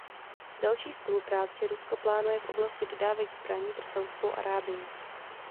Další spolupráci Rusko plánuje v oblasti dodávek zbraní pro Saúdskou Arábii.